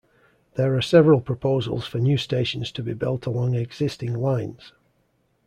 There are several proposals for new stations to be built along existing lines.